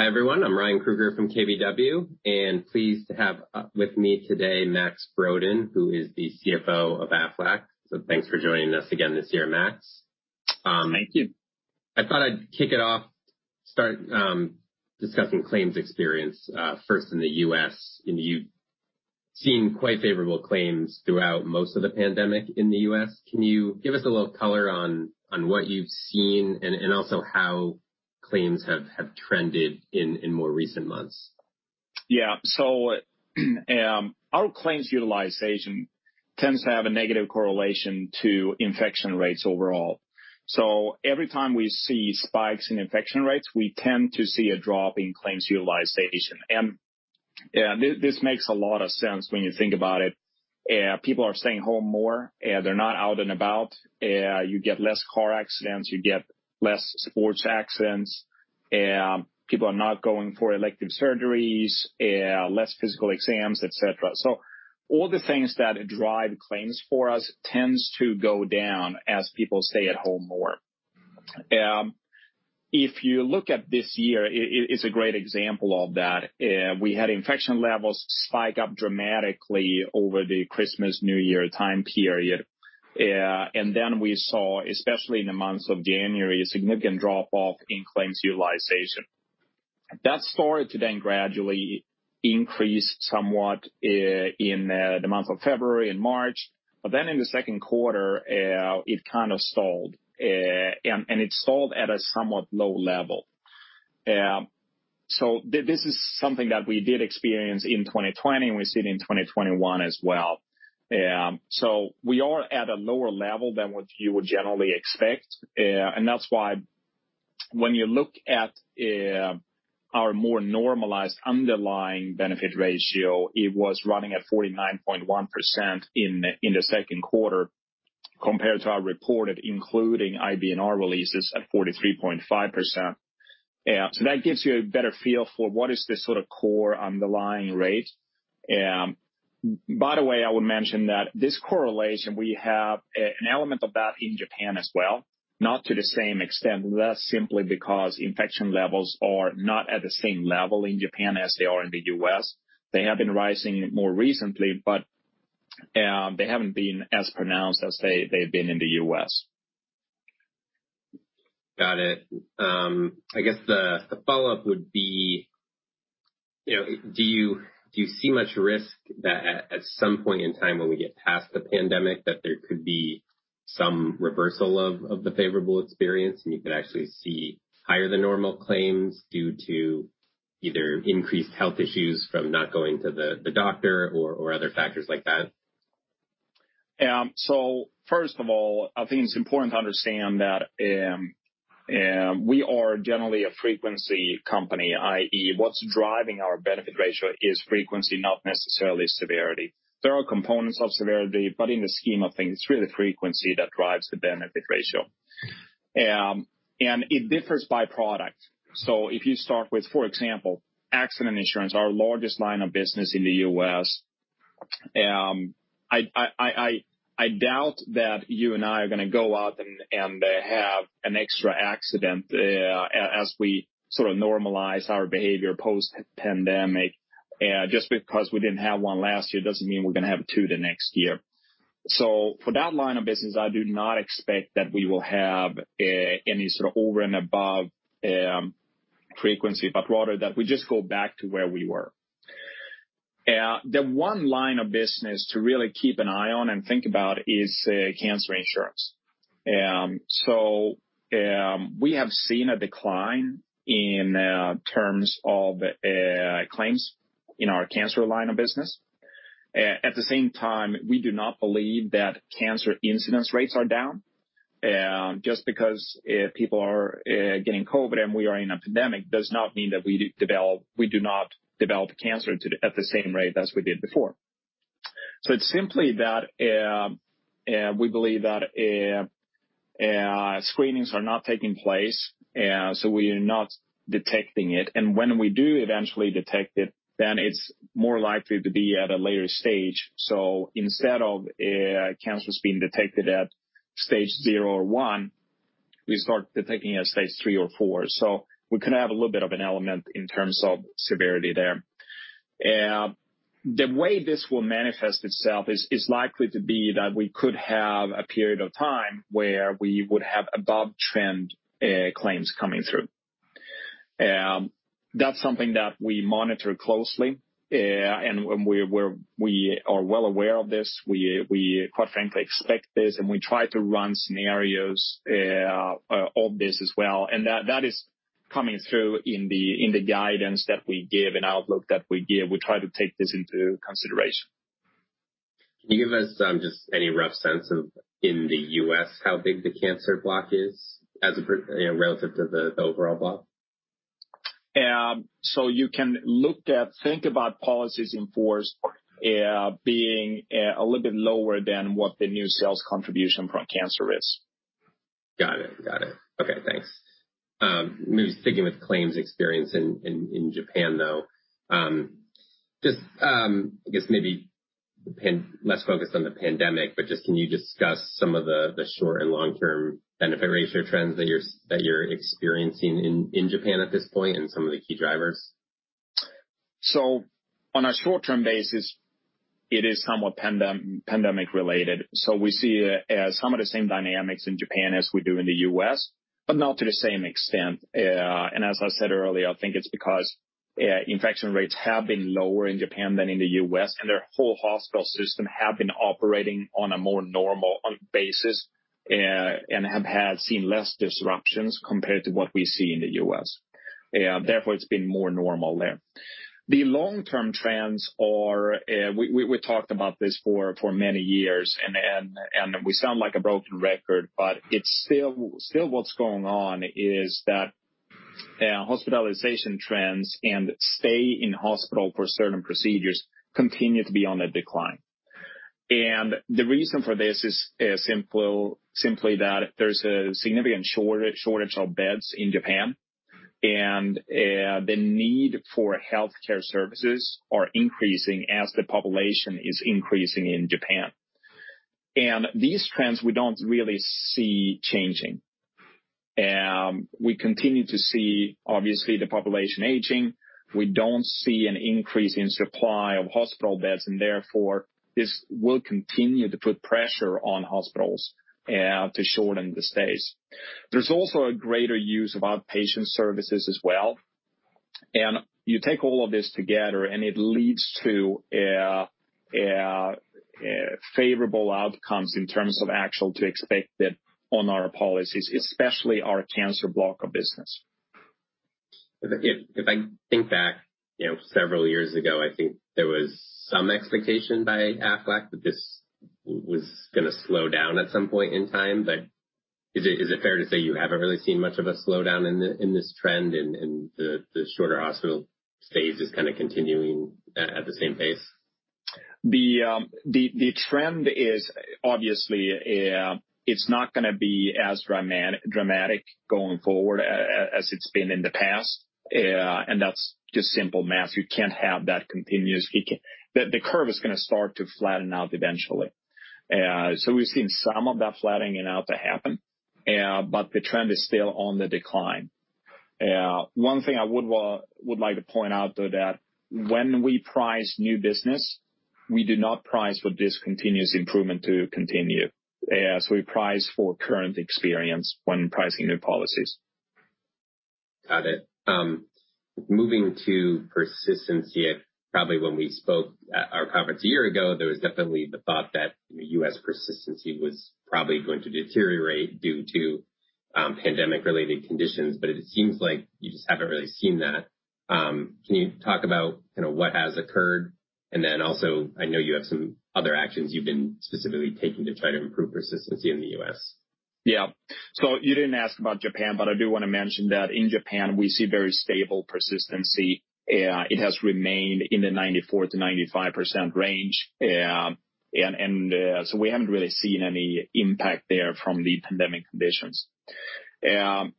Hi, everyone. I'm Ryan Krueger from KBW, pleased to have with me today Max Brodén, who is the CFO of Aflac. Thanks for joining us again this year, Max. Thank you. I thought I'd kick it off, start discussing claims experience, first in the U.S. You've seen quite favorable claims throughout most of the pandemic in the U.S. Can you give us a little color on what you've seen and also how claims have trended in more recent months? Yeah. Our claims utilization tends to have a negative correlation to infection rates overall. Every time we see spikes in infection rates, we tend to see a drop in claims utilization. This makes a lot of sense when you think about it. People are staying home more. They're not out and about. You get less car accidents. You get less sports accidents. People are not going for elective surgeries, less physical exams, et cetera. All the things that drive claims for us tends to go down as people stay at home more. If you look at this year, it's a great example of that. We had infection levels spike up dramatically over the Christmas, New Year time period. Then we saw, especially in the month of January, a significant drop-off in claims utilization. That started to gradually increase somewhat in the month of February and March. In the second quarter, it kind of stalled. It stalled at a somewhat low level. This is something that we did experience in 2020, and we see it in 2021 as well. We are at a lower level than what you would generally expect, and that's why when you look at our more normalized underlying benefit ratio, it was running at 49.1% in the second quarter compared to our reported including IBNR releases at 43.5%. That gives you a better feel for what is the sort of core underlying rate. By the way, I would mention that this correlation, we have an element of that in Japan as well, not to the same extent, less simply because infection levels are not at the same level in Japan as they are in the U.S. They have been rising more recently, but they haven't been as pronounced as they've been in the U.S. Got it. I guess the follow-up would be, do you see much risk that at some point in time when we get past the pandemic, that there could be some reversal of the favorable experience, and you could actually see higher than normal claims due to either increased health issues from not going to the doctor or other factors like that? First of all, I think it's important to understand that we are generally a frequency company, i.e., what's driving our benefit ratio is frequency, not necessarily severity. There are components of severity, but in the scheme of things, it's really frequency that drives the benefit ratio. It differs by product. If you start with, for example, Accident Insurance, our largest line of business in the U.S., I doubt that you and I are going to go out and have an extra accident, as we sort of normalize our behavior post-pandemic. Just because we didn't have one last year doesn't mean we're going to have two the next year. For that line of business, I do not expect that we will have any sort of over and above frequency, but rather that we just go back to where we were. The one line of business to really keep an eye on and think about is Cancer Insurance. We have seen a decline in terms of claims in our cancer line of business. At the same time, we do not believe that cancer incidence rates are down. Just because people are getting COVID and we are in a pandemic does not mean that we do not develop cancer at the same rate as we did before. It's simply that we believe that screenings are not taking place, we are not detecting it. When we do eventually detect it's more likely to be at a later stage. Instead of cancers being detected at stage 0 or 1, we start detecting at stage 3 or 4. We could have a little bit of an element in terms of severity there. The way this will manifest itself is likely to be that we could have a period of time where we would have above-trend claims coming through. That's something that we monitor closely, we are well aware of this. We quite frankly expect this, we try to run scenarios of this as well. That is coming through in the guidance that we give and outlook that we give. We try to take this into consideration. Can you give us just any rough sense of, in the U.S., how big the Cancer block is relative to the overall block? You can look at, think about policies in force being a little bit lower than what the new sales contribution from Cancer is. Got it. Okay, thanks. Maybe sticking with claims experience in Japan, though. I guess maybe less focused on the pandemic, can you discuss some of the short-term and long-term benefit ratio trends that you're experiencing in Japan at this point and some of the key drivers? On a short-term basis, it is somewhat pandemic-related. We see some of the same dynamics in Japan as we do in the U.S., not to the same extent. As I said earlier, I think it's because infection rates have been lower in Japan than in the U.S., their whole hospital system have been operating on a more normal basis and have seen less disruptions compared to what we see in the U.S. Therefore, it's been more normal there. The long-term trends are, we talked about this for many years, and we sound like a broken record, it's still what's going on is that hospitalization trends and stay in hospital for certain procedures continue to be on the decline. The reason for this is simply that there's a significant shortage of beds in Japan, the need for healthcare services are increasing as the population is increasing in Japan. These trends we don't really see changing. We continue to see, obviously, the population aging. We don't see an increase in supply of hospital beds, therefore, this will continue to put pressure on hospitals to shorten the stays. There's also a greater use of outpatient services as well. You take all of this together and it leads to favorable outcomes in terms of actual to expected on our policies, especially our Cancer block of business. If I think back several years ago, I think there was some expectation by Aflac that this was going to slow down at some point in time. Is it fair to say you haven't really seen much of a slowdown in this trend and the shorter hospital stays is kind of continuing at the same pace? The trend is obviously it's not going to be as dramatic going forward as it's been in the past, That's just simple math. You can't have that continuous. The curve is going to start to flatten out eventually. We've seen some of that flattening out to happen, but the trend is still on the decline. One thing I would like to point out, though, that when we price new business, we do not price for this continuous improvement to continue, as we price for current experience when pricing new policies. Got it. Moving to persistency. Probably when we spoke at our conference a year ago, there was definitely the thought that the U.S. persistency was probably going to deteriorate due to pandemic-related conditions, but it seems like you just haven't really seen that. Can you talk about what has occurred? Also, I know you have some other actions you've been specifically taking to try to improve persistency in the U.S. You didn't ask about Japan, but I do want to mention that in Japan, we see very stable persistency. It has remained in the 94%-95% range. We haven't really seen any impact there from the pandemic conditions.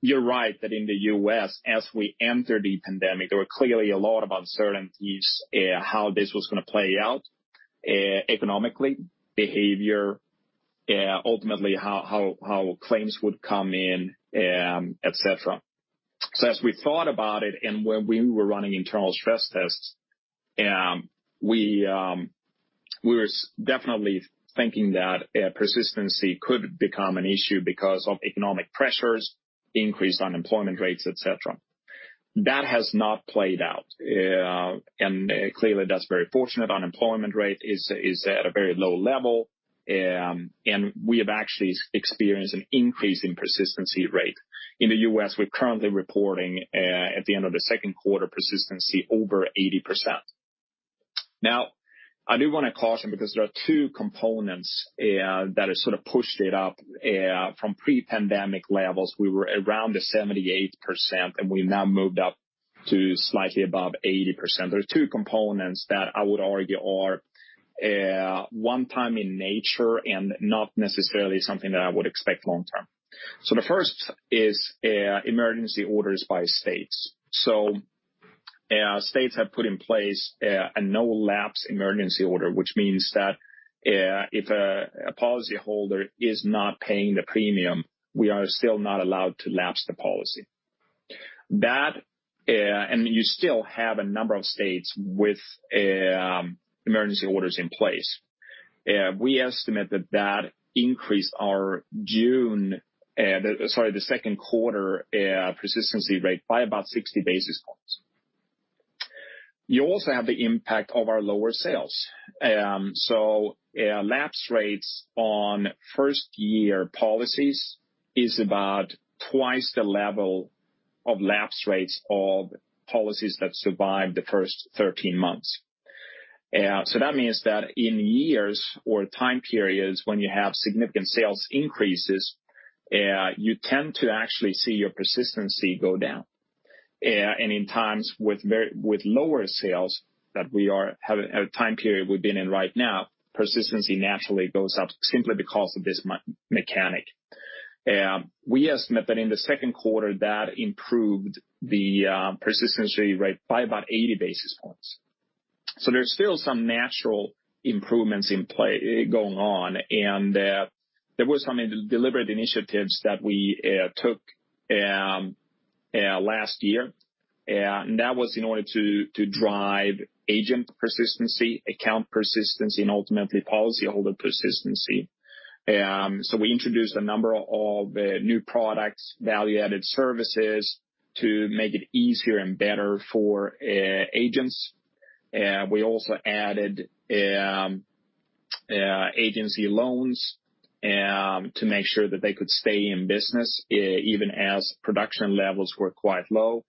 You're right that in the U.S., as we entered the pandemic, there were clearly a lot of uncertainties how this was going to play out, economically, behavior, ultimately how claims would come in, et cetera. As we thought about it and when we were running internal stress tests, we were definitely thinking that persistency could become an issue because of economic pressures, increased unemployment rates, et cetera. That has not played out. Clearly, that's very fortunate. Unemployment rate is at a very low level, and we have actually experienced an increase in persistency rate. In the U.S., we're currently reporting at the end of the second quarter persistency over 80%. Now, I do want to caution because there are two components that have sort of pushed it up from pre-pandemic levels. We were around the 78%, and we've now moved up to slightly above 80%. There are two components that I would argue are one time in nature and not necessarily something that I would expect long term. The first is emergency orders by states. States have put in place a no lapse emergency order, which means that if a policyholder is not paying the premium, we are still not allowed to lapse the policy. You still have a number of states with emergency orders in place. We estimate that that increased our June, sorry, the second quarter persistency rate by about 60 basis points. Lapse rates on first-year policies is about twice the level of lapse rates of policies that survive the first 13 months. That means that in years or time periods when you have significant sales increases, you tend to actually see your persistency go down. In times with lower sales that we've been in right now, persistency naturally goes up simply because of this mechanic. We estimate that in the second quarter that improved the persistency rate by about 80 basis points. There's still some natural improvements in play going on, and there were some deliberate initiatives that we took last year, and that was in order to drive agent persistency, account persistency, and ultimately policyholder persistency. We introduced a number of new products, value-added services to make it easier and better for agents. We also added agency loans to make sure that they could stay in business even as production levels were quite low.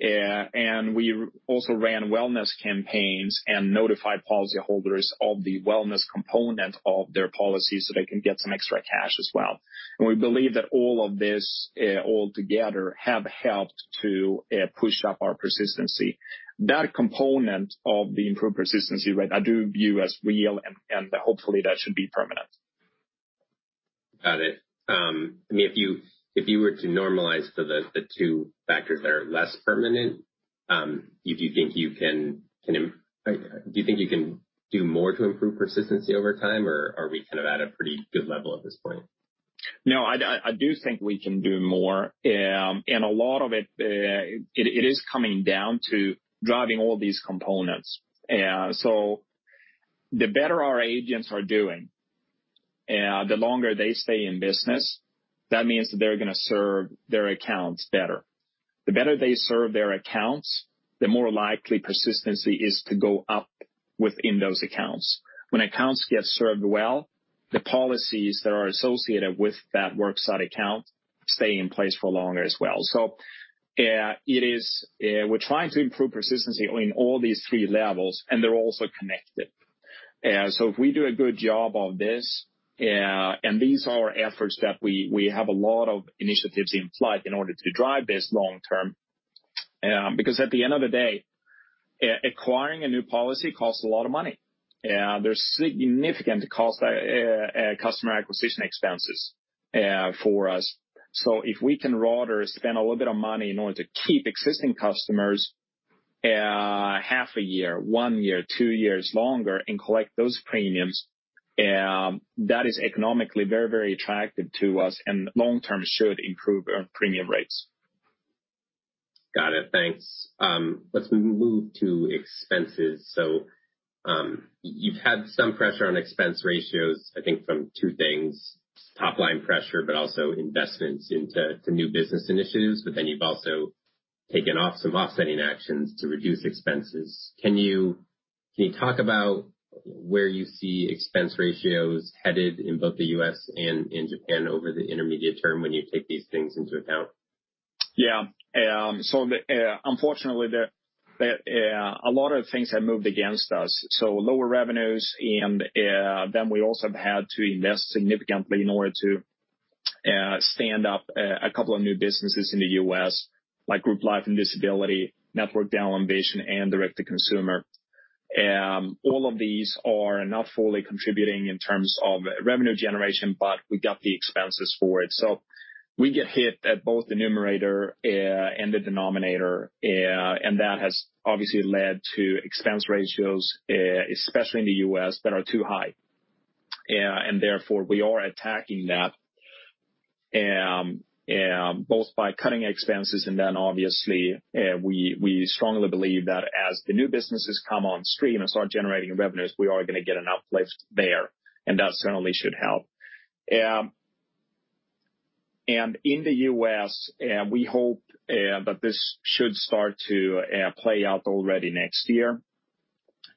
We also ran wellness campaigns and notified policyholders of the wellness component of their policy so they can get some extra cash as well. We believe that all of this altogether have helped to push up our persistency. That component of the improved persistency rate, I do view as real and hopefully that should be permanent. Got it. If you were to normalize for the two factors that are less permanent, do you think you can do more to improve persistency over time, or are we kind of at a pretty good level at this point? No, I do think we can do more. A lot of it is coming down to driving all these components. The better our agents are doing, the longer they stay in business, that means that they're going to serve their accounts better. The better they serve their accounts, the more likely persistency is to go up within those accounts. When accounts get served well, the policies that are associated with that worksite account stay in place for longer as well. We're trying to improve persistency in all these three levels, and they're also connected. If we do a good job of this, and these are efforts that we have a lot of initiatives in flight in order to drive this long term, because at the end of the day, acquiring a new policy costs a lot of money. There's significant customer acquisition expenses for us. If we can rather spend a little bit of money in order to keep existing customers half a year, one year, two years longer and collect those premiums, that is economically very attractive to us and long-term should improve our premium rates. Got it. Thanks. Let's move to expenses. You've had some pressure on expense ratios, I think from two things, top line pressure, but also investments into new business initiatives. You've also taken some offsetting actions to reduce expenses. Can you talk about where you see expense ratios headed in both the U.S. and in Japan over the intermediate term when you take these things into account? Yeah. Unfortunately, a lot of things have moved against us. Lower revenues, and then we also have had to invest significantly in order to stand up a couple of new businesses in the U.S., like Group Life and Disability, Network Dental and Vision, and Direct to Consumer. All of these are not fully contributing in terms of revenue generation, but we got the expenses for it. We get hit at both the numerator and the denominator, and that has obviously led to expense ratios, especially in the U.S., that are too high. Therefore, we are attacking that both by cutting expenses and then obviously, we strongly believe that as the new businesses come on stream and start generating revenues, we are going to get an uplift there, and that certainly should help. In the U.S., we hope that this should start to play out already next year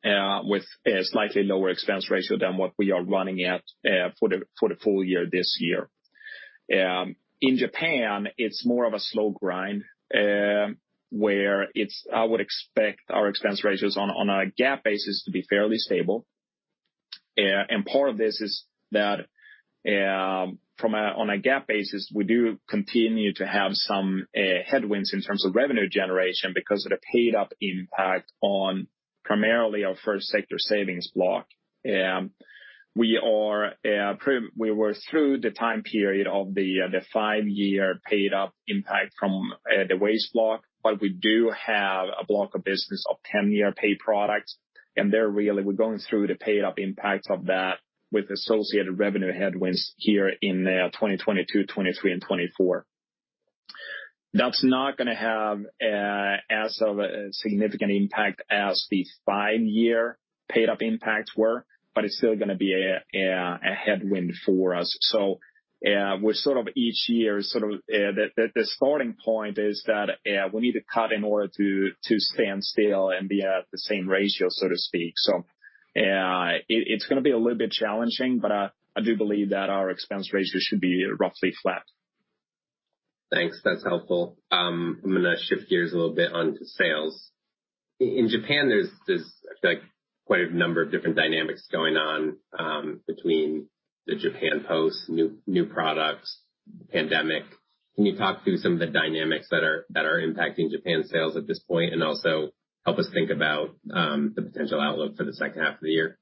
with a slightly lower expense ratio than what we are running at for the full year this year. In Japan, it's more of a slow grind, where I would expect our expense ratios on a GAAP basis to be fairly stable. Part of this is that on a GAAP basis, we do continue to have some headwinds in terms of revenue generation because of the paid-up impact on primarily our first sector savings block. We were through the time period of the five-year paid-up impact from the WAYS block, but we do have a block of business of 10-year paid-up product, and we're going through the paid-up impact of that with associated revenue headwinds here in 2022, 2023, and 2024. That's not going to have as significant impact as the five-year paid-up impacts were, but it's still going to be a headwind for us. The starting point is that we need to cut in order to stand still and be at the same ratio, so to speak. It's going to be a little bit challenging, but I do believe that our expense ratios should be roughly flat. Thanks. That's helpful. I'm going to shift gears a little bit onto sales. In Japan, there's quite a number of different dynamics going on between the Japan Post, new products, pandemic. Can you talk through some of the dynamics that are impacting Japan sales at this point, and also help us think about the potential outlook for the second half of the year?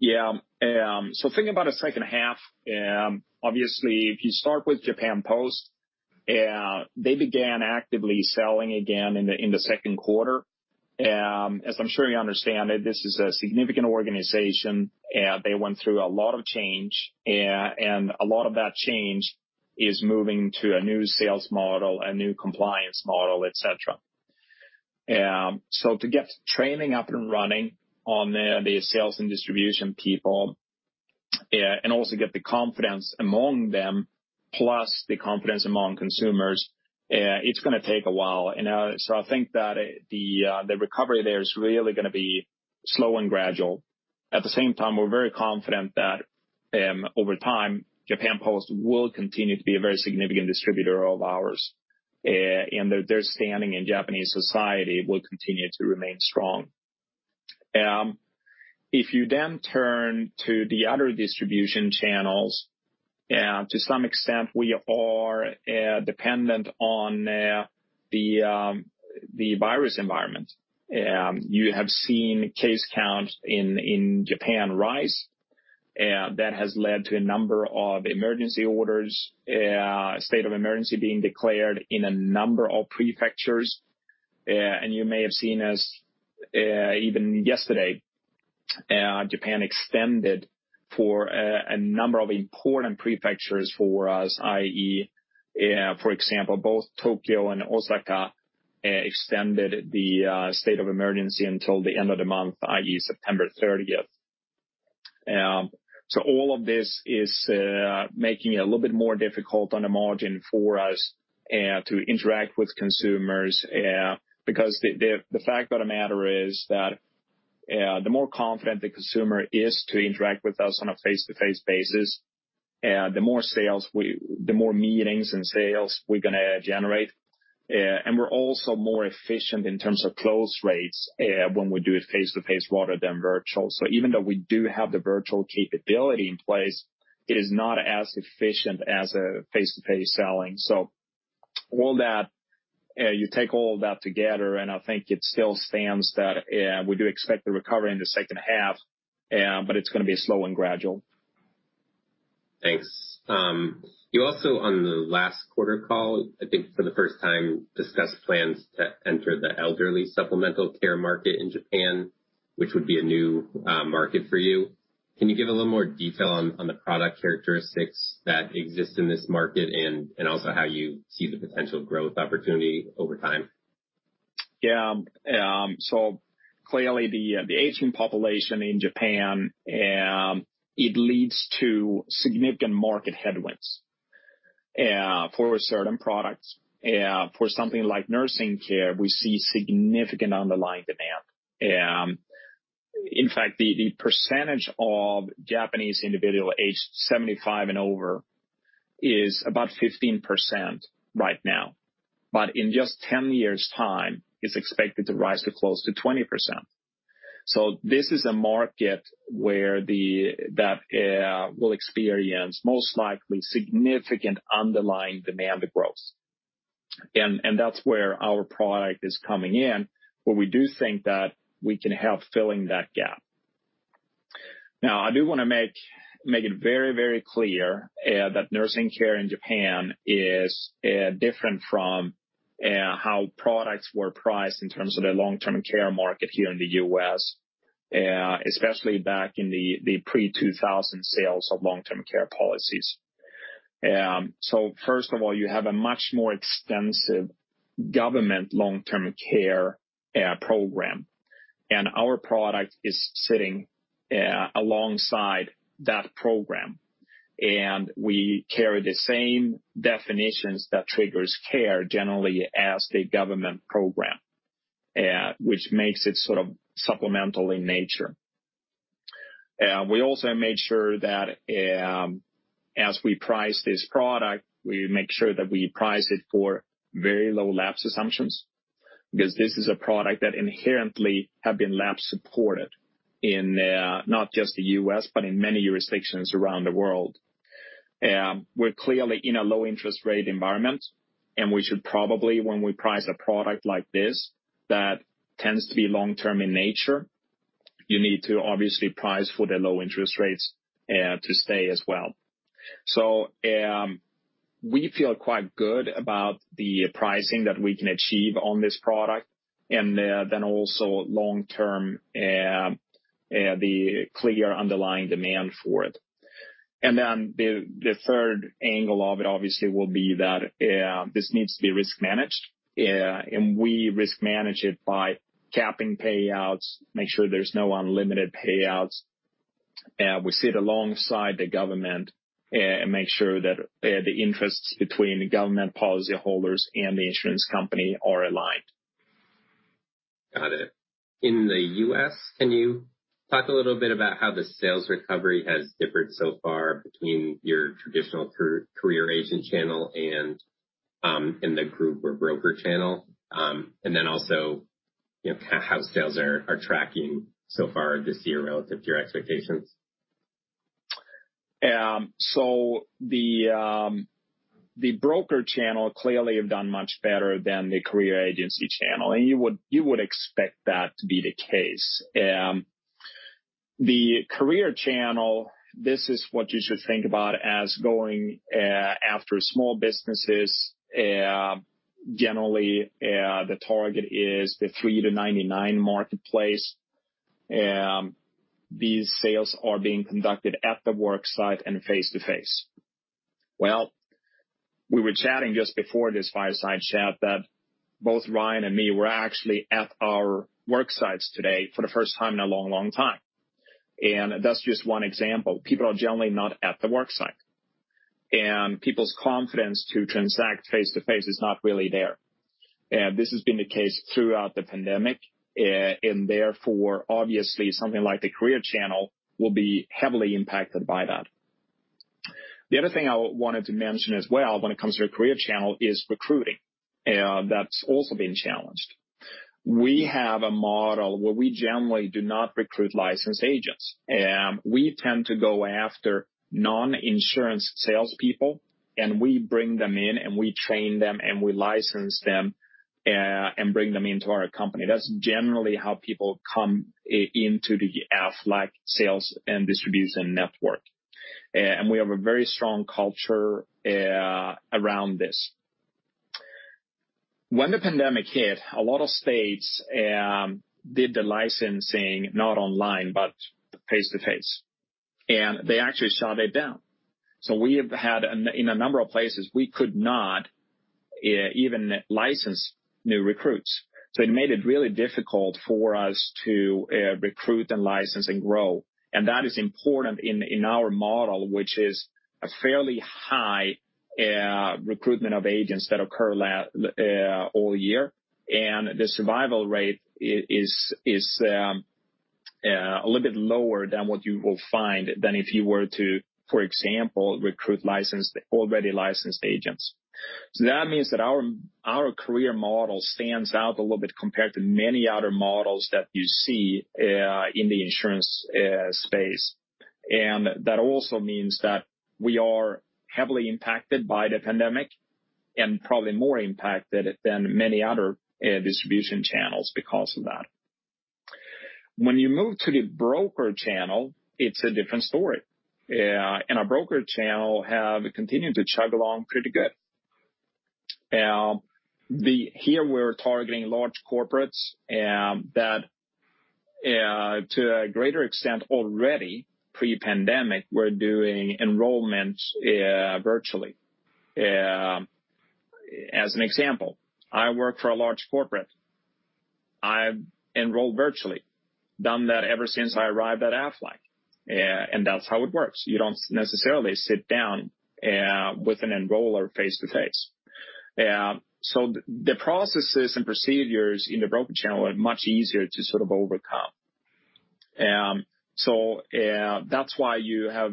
Yeah. Thinking about the second half, obviously, if you start with Japan Post, they began actively selling again in the second quarter. As I'm sure you understand, this is a significant organization. They went through a lot of change, and a lot of that change is moving to a new sales model, a new compliance model, et cetera. To get training up and running on the sales and distribution people, and also get the confidence among them plus the confidence among consumers, it's going to take a while. I think that the recovery there is really going to be slow and gradual. At the same time, we're very confident that over time, Japan Post will continue to be a very significant distributor of ours, and their standing in Japanese society will continue to remain strong. If you turn to the other distribution channels, to some extent, we are dependent on the virus environment. You have seen case counts in Japan rise, that has led to a number of emergency orders, a state of emergency being declared in a number of prefectures. You may have seen as even yesterday, Japan extended for a number of important prefectures for us, i.e., for example, both Tokyo and Osaka extended the state of emergency until the end of the month, i.e., September 30th. All of this is making it a little bit more difficult on the margin for us to interact with consumers because the fact of the matter is that the more confident the consumer is to interact with us on a face-to-face basis, the more meetings and sales we're going to generate. We're also more efficient in terms of close rates when we do it face-to-face rather than virtual. Even though we do have the virtual capability in place, it is not as efficient as face-to-face selling. You take all that together, and I think it still stands that we do expect a recovery in the second half, but it's going to be slow and gradual. Thanks. You also, on the last quarter call, I think for the first time, discussed plans to enter the elderly supplemental care market in Japan, which would be a new market for you. Can you give a little more detail on the product characteristics that exist in this market and also how you see the potential growth opportunity over time? Yeah. Clearly the aging population in Japan, it leads to significant market headwinds for certain products. For something like nursing care, we see significant underlying demand. In fact, the percentage of Japanese individual aged 75 and over is about 15% right now, but in just 10 years' time, it's expected to rise to close to 20%. This is a market that will experience most likely significant underlying demand growth. That's where our product is coming in, where we do think that we can help filling that gap. Now, I do want to make it very clear that nursing care in Japan is different from how products were priced in terms of the long-term care market here in the U.S., especially back in the pre-2000 sales of long-term care policies. First of all, you have a much more extensive government long-term care program, and our product is sitting alongside that program. We carry the same definitions that triggers care generally as the government program, which makes it sort of supplemental in nature. We also made sure that as we price this product, we make sure that we price it for very low lapse assumptions, because this is a product that inherently have been lapse supported in not just the U.S., but in many jurisdictions around the world. We're clearly in a low-interest rate environment, and we should probably, when we price a product like this that tends to be long-term in nature, you need to obviously price for the low interest rates to stay as well. We feel quite good about the pricing that we can achieve on this product, also long-term, the clear underlying demand for it. The third angle of it obviously will be that this needs to be risk managed, and we risk manage it by capping payouts, make sure there's no unlimited payouts. We sit alongside the government and make sure that the interests between government policyholders and the insurance company are aligned. Got it. In the U.S., can you talk a little bit about how the sales recovery has differed so far between your traditional career agent channel and in the group or broker channel? Also, how sales are tracking so far this year relative to your expectations? The broker channel clearly have done much better than the career agency channel, and you would expect that to be the case. The career channel, this is what you should think about as going after small businesses. Generally, the target is the three to 99 marketplace. These sales are being conducted at the worksite and face-to-face. Well, we were chatting just before this fireside chat that both Ryan and me were actually at our worksites today for the first time in a long time. That's just one example. People are generally not at the worksite, and people's confidence to transact face-to-face is not really there. This has been the case throughout the pandemic, and therefore, obviously, something like the career channel will be heavily impacted by that. The other thing I wanted to mention as well when it comes to the career channel is recruiting. That's also been challenged. We have a model where we generally do not recruit licensed agents. We tend to go after non-insurance salespeople, and we bring them in and we train them and we license them and bring them into our company. That's generally how people come into the Aflac sales and distribution network. We have a very strong culture around this. When the pandemic hit, a lot of states did the licensing, not online, but face-to-face. They actually shut it down. We have had, in a number of places, we could not even license new recruits. It made it really difficult for us to recruit and license and grow. That is important in our model, which is a fairly high recruitment of agents that occur all year, the survival rate is a little bit lower than what you will find than if you were to, for example, recruit already licensed agents. That means that our career model stands out a little bit compared to many other models that you see in the insurance space. That also means that we are heavily impacted by the pandemic and probably more impacted than many other distribution channels because of that. When you move to the broker channel, it's a different story. Our broker channel have continued to chug along pretty good. Here we're targeting large corporates that to a greater extent already pre-pandemic, were doing enrollment virtually. As an example, I work for a large corporate. I enroll virtually. Done that ever since I arrived at Aflac. That's how it works. You don't necessarily sit down with an enroller face-to-face. The processes and procedures in the broker channel are much easier to sort of overcome. That's why you have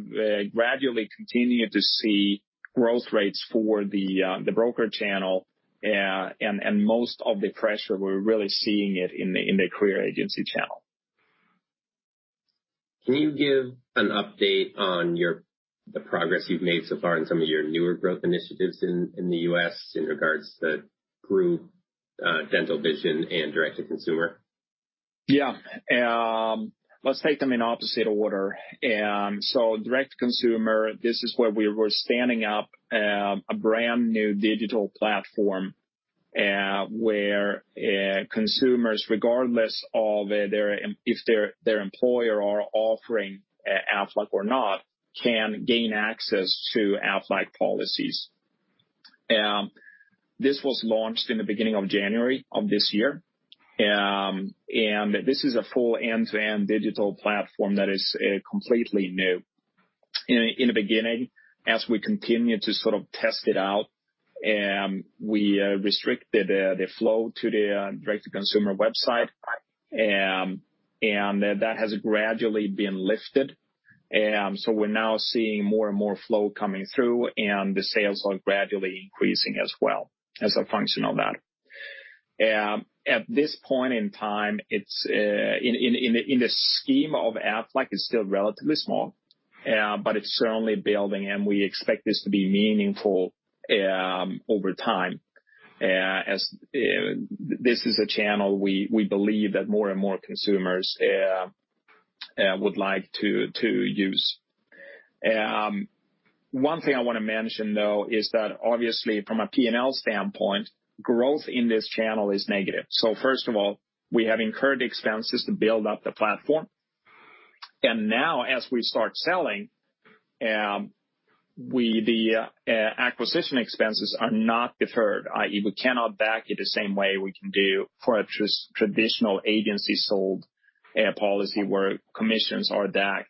gradually continued to see growth rates for the broker channel and most of the pressure, we're really seeing it in the career agency channel. Can you give an update on the progress you've made so far in some of your newer growth initiatives in the U.S. in regards to group dental, vision, and Direct to Consumer? Yeah. Let's take them in opposite order. Direct to Consumer, this is where we were standing up a brand-new digital platform where consumers, regardless if their employer are offering Aflac or not, can gain access to Aflac policies. This was launched in the beginning of January of this year, this is a full end-to-end digital platform that is completely new. In the beginning, as we continued to sort of test it out, we restricted the flow to the Direct to Consumer website, that has gradually been lifted. We're now seeing more and more flow coming through, the sales are gradually increasing as well as a function of that. At this point in time, in the scheme of Aflac, it's still relatively small, but it's certainly building, we expect this to be meaningful over time. This is a channel we believe that more and more consumers would like to use. One thing I want to mention, though, is that obviously from a P&L standpoint, growth in this channel is negative. First of all, we have incurred expenses to build up the platform. Now as we start selling, the acquisition expenses are not deferred, i.e., we cannot DAC it the same way we can do for a traditional agency-sold policy where commissions are DAC'd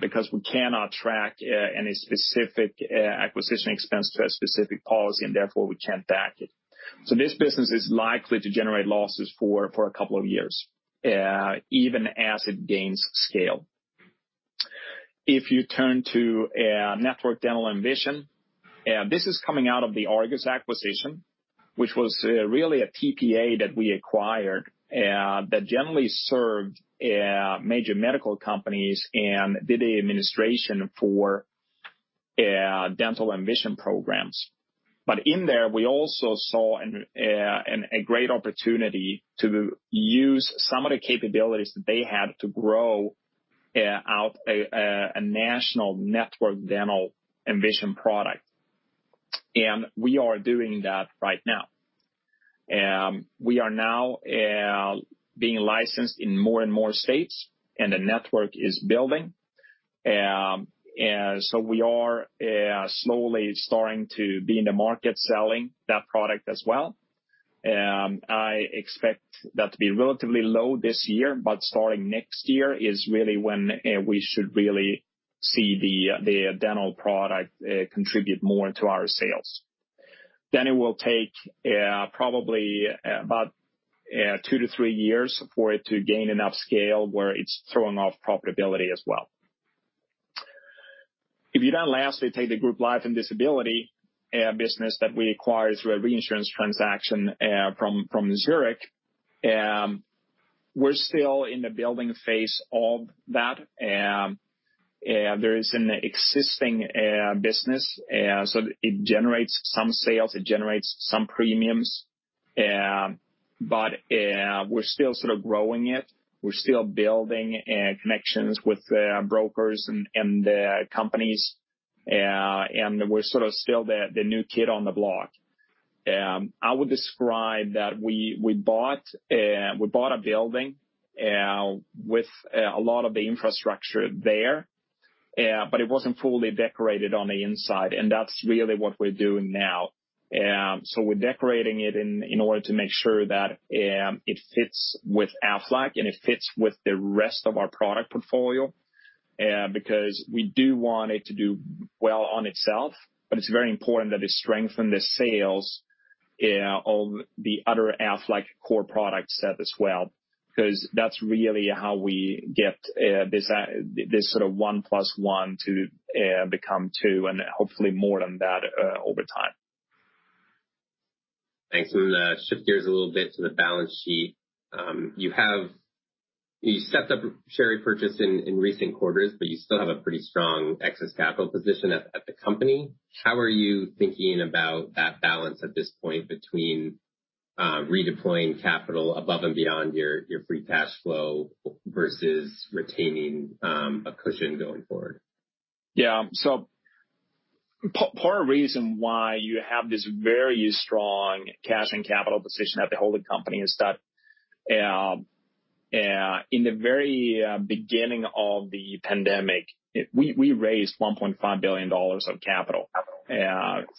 because we cannot track any specific acquisition expense to a specific policy, therefore, we can't DAC it. This business is likely to generate losses for a couple of years, even as it gains scale. If you turn to Network Dental and Vision, this is coming out of the Argus acquisition which was really a TPA that we acquired that generally served major medical companies and did the administration for dental and vision programs. In there, we also saw a great opportunity to use some of the capabilities that they had to grow out a national Network Dental and Vision product. We are doing that right now. We are now being licensed in more and more states, the network is building. We are slowly starting to be in the market selling that product as well. I expect that to be relatively low this year, but starting next year is really when we should really see the dental product contribute more to our sales. It will take probably about two to three years for it to gain enough scale where it's throwing off profitability as well. If you lastly take the Group Life and Disability business that we acquired through a reinsurance transaction from Zurich, we're still in the building phase of that. There is an existing business, it generates some sales, it generates some premiums, but we're still sort of growing it. We're still building connections with brokers and companies, we're sort of still the new kid on the block. I would describe that we bought a building with a lot of the infrastructure there, it wasn't fully decorated on the inside, that's really what we're doing now. We're decorating it in order to make sure that it fits with Aflac, it fits with the rest of our product portfolio, we do want it to do well on itself, it's very important that it strengthen the sales of the other Aflac core product set as well. That's really how we get this sort of one plus one to become two, hopefully more than that over time. Thanks. I'm going to shift gears a little bit to the balance sheet. You stepped up share repurchase in recent quarters, but you still have a pretty strong excess capital position at the company. How are you thinking about that balance at this point between redeploying capital above and beyond your free cash flow versus retaining a cushion going forward? Yeah. Part of the reason why you have this very strong cash and capital position at the holding company is that in the very beginning of the pandemic, we raised $1.5 billion of capital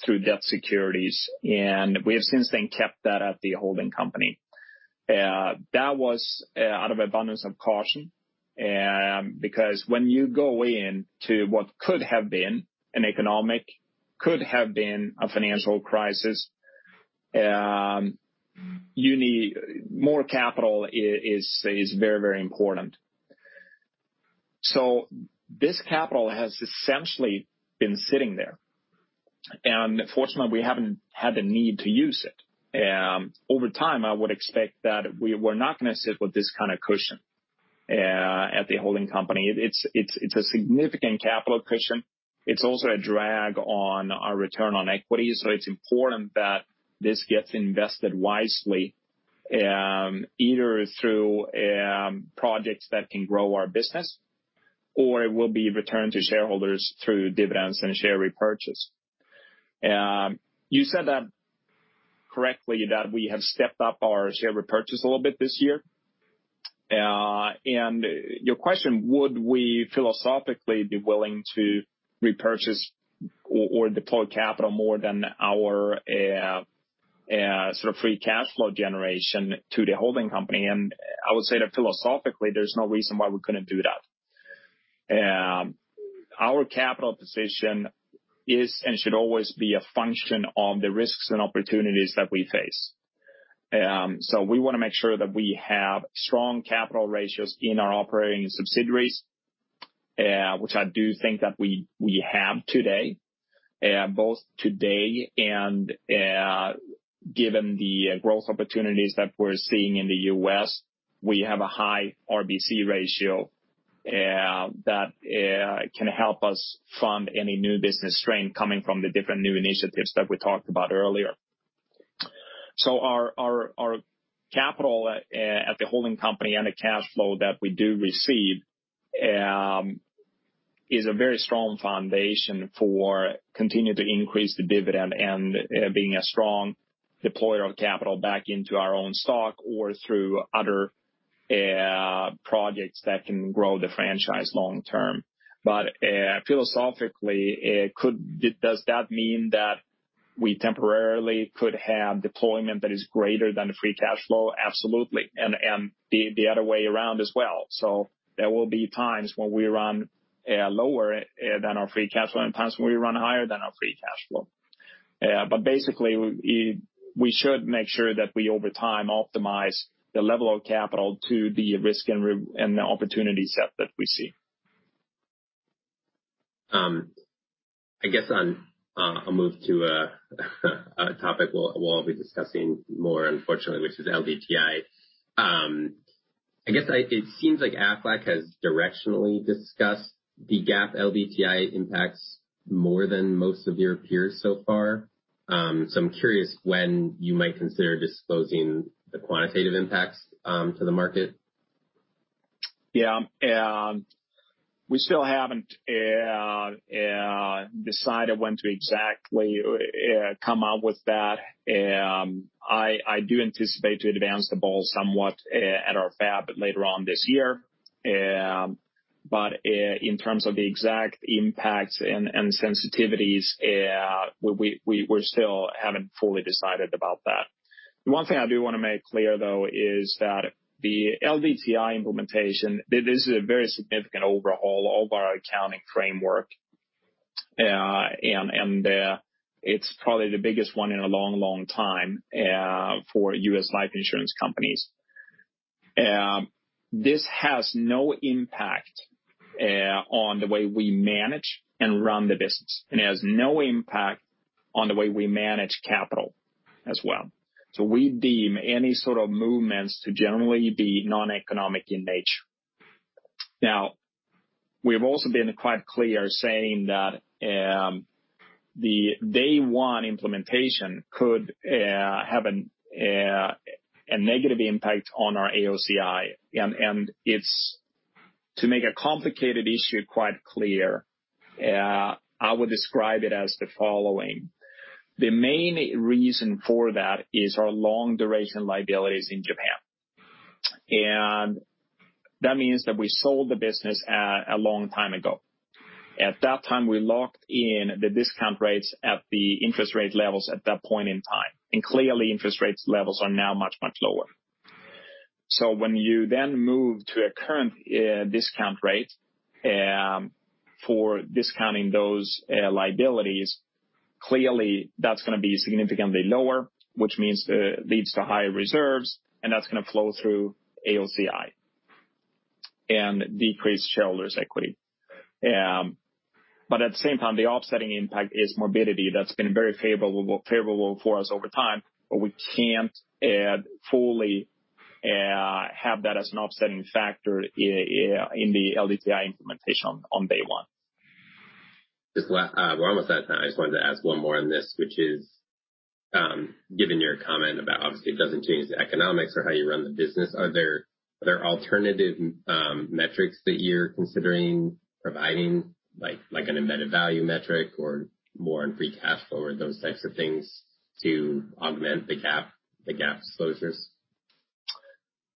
through debt securities, and we have since then kept that at the holding company. That was out of abundance of caution, because when you go into what could have been an economic, could have been a financial crisis you need more capital is very important. This capital has essentially been sitting there, and fortunately, we haven't had the need to use it. Over time, I would expect that we were not going to sit with this kind of cushion at the holding company. It's a significant capital cushion. It's also a drag on our return on equity. It's important that this gets invested wisely, either through projects that can grow our business or it will be returned to shareholders through dividends and share repurchase. You said that correctly, that we have stepped up our share repurchase a little bit this year. Your question, would we philosophically be willing to repurchase or deploy capital more than our sort of free cash flow generation to the holding company? I would say that philosophically, there's no reason why we couldn't do that. Our capital position is and should always be a function of the risks and opportunities that we face. We want to make sure that we have strong capital ratios in our operating subsidiaries, which I do think that we have today, both today and given the growth opportunities that we're seeing in the U.S., we have a high RBC ratio that can help us fund any new business strain coming from the different new initiatives that we talked about earlier. Our capital at the holding company and the cash flow that we do receive is a very strong foundation for continue to increase the dividend and being a strong deployer of capital back into our own stock or through other projects that can grow the franchise long term. Philosophically, does that mean that we temporarily could have deployment that is greater than the free cash flow? Absolutely. The other way around as well. There will be times when we run lower than our free cash flow and times when we run higher than our free cash flow. Basically, we should make sure that we, over time, optimize the level of capital to the risk and the opportunity set that we see. I guess I'll move to a topic we'll all be discussing more unfortunately, which is LDTI. I guess it seems like Aflac has directionally discussed the GAAP LDTI impacts more than most of your peers so far. I'm curious when you might consider disclosing the quantitative impacts to the market. Yeah. We still haven't decided when to exactly come out with that. I do anticipate to advance the ball somewhat at our FAB later on this year. In terms of the exact impacts and sensitivities, we still haven't fully decided about that. The one thing I do want to make clear, though, is that the LDTI implementation, this is a very significant overhaul of our accounting framework, and it's probably the biggest one in a long, long time for U.S. life insurance companies. This has no impact on the way we manage and run the business and has no impact on the way we manage capital as well. We deem any sort of movements to generally be non-economic in nature. Now, we've also been quite clear saying that the day one implementation could have a negative impact on our AOCI, to make a complicated issue quite clear, I would describe it as the following. The main reason for that is our long duration liabilities in Japan. That means that we sold the business a long time ago. At that time, we locked in the discount rates at the interest rate levels at that point in time. Clearly, interest rates levels are now much, much lower. When you then move to a current discount rate for discounting those liabilities, clearly, that's going to be significantly lower, which means it leads to higher reserves, and that's going to flow through AOCI, and decrease shareholders' equity. At the same time, the offsetting impact is morbidity that's been very favorable for us over time, but we can't fully have that as an offsetting factor in the LDTI implementation on day one. We're almost at time. I just wanted to ask one more on this, which is, given your comment about obviously it doesn't change the economics or how you run the business, are there alternative metrics that you're considering providing, like an embedded value metric or more on free cash flow or those types of things to augment the GAAP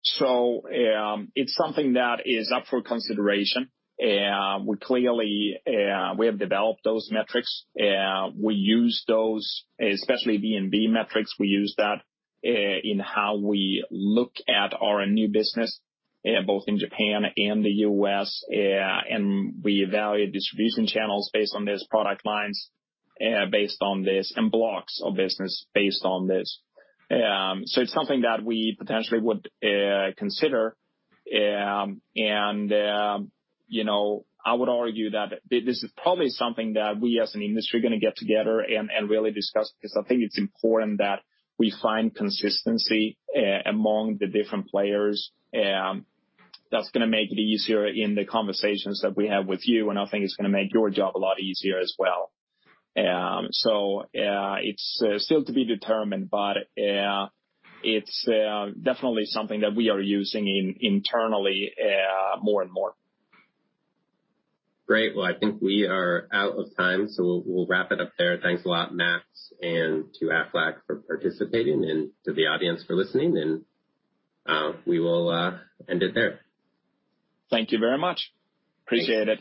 disclosures? It's something that is up for consideration. We have developed those metrics. We use those, especially EV metrics, we use that in how we look at our new business, both in Japan and the U.S., and we evaluate distribution channels based on this product lines, based on this, and blocks of business based on this. It's something that we potentially would consider. I would argue that this is probably something that we as an industry are going to get together and really discuss because I think it's important that we find consistency among the different players. That's going to make it easier in the conversations that we have with you, and I think it's going to make your job a lot easier as well. It's still to be determined, but it's definitely something that we are using internally more and more. Great. I think we are out of time, we'll wrap it up there. Thanks a lot, Max, and to Aflac for participating and to the audience for listening, we will end it there. Thank you very much. Appreciate it